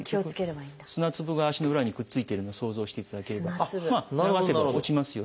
砂粒が足の裏にくっついてるのを想像していただければ流せば落ちますよね。